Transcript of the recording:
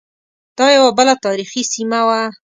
دا یوه بله تاریخی سیمه وه.